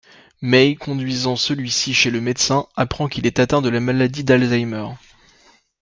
May, conduisant celui-ci chez le médecin, apprend qu'il est atteint de la maladie d'Alzheimer.